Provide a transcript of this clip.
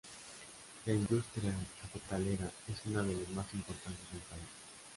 La industria cafetalera es una de las más importantes del país.